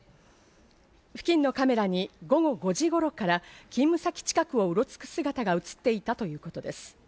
付近のカメラに午後５時頃から勤務先近くをうろつく姿が映っていたということです。